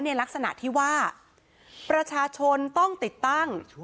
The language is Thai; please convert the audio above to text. ในลักษณะที่ว่าประชาชนต้องติดตั้ง